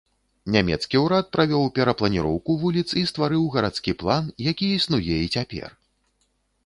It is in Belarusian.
Нямецкі ўрад правёў перапланіроўку вуліц і стварыў гарадскі план, які існуе і цяпер.